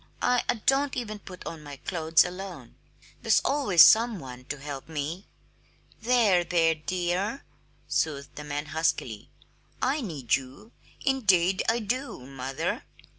I I don't even put on my clothes alone; there's always some one to help me!" "There, there, dear," soothed the man huskily. "I need you, indeed I do, mother."